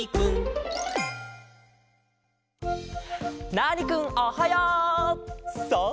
ナーニくんおはよう！さあ